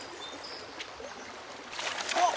あっ！